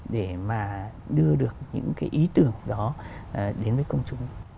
để mà đưa được những cái ý tưởng đó đến với công chúng